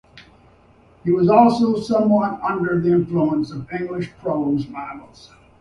He was also somewhat under the influence of English prose models.